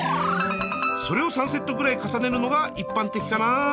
それを３セットくらい重ねるのが一般的かな？